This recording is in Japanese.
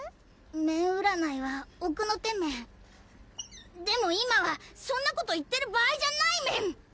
麺うらないは奥の手メンでも今はそんなこと言ってる場合じゃないメン！